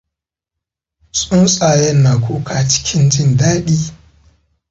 Tsuntsayen na kuka cikin jin daɗi.